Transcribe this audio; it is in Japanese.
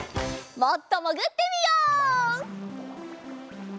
もっともぐってみよう！